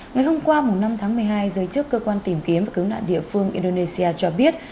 ngày hôm qua năm tháng một mươi hai giới chức cơ quan tìm kiếm và cứu nạn địa phương indonesia cho biết